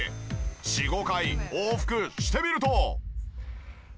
４５回往復してみると。